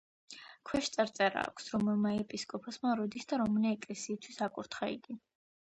ქვეშ წარწერა აქვს, რომელმა ეპისკოპოსმა როდის და რომელი ეკლესიისათვის აკურთხა იგი.